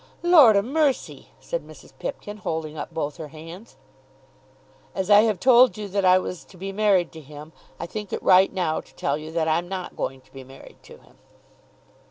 "Lord a' mercy," said Mrs. Pipkin, holding up both her hands. "As I have told you that I was to be married to him, I think it right now to tell you that I'm not going to be married to him."